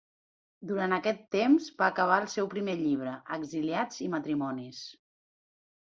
Durant aquest temps, va acabar el seu primer llibre, "Exiliats i matrimonis".